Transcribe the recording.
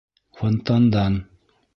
Фонтандан!